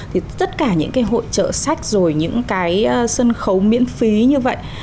thì tất cả những cái hội trợ sách rồi những cái sân khấu miễn phí như vậy